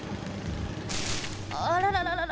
あららららら。